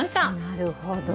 なるほど。